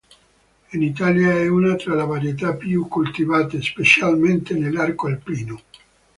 In Italia è una tra le varietà più coltivate, specialmente nell'arco alpino.